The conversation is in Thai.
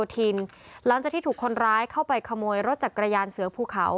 หลังจากที่ถูกคนร้ายเข้าไปขโมยรถจักรยานเสือภูเขา